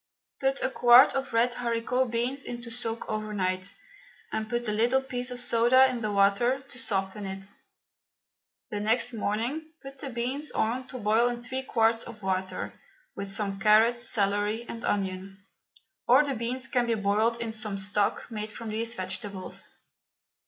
Put a quart of red haricot beans into soak overnight, and put a little piece of soda in the water to soften it. The next morning put the beans on to boil in three quarts of water, with some carrot, celery and onion, or the beans can be boiled in some stock made from these vegetables.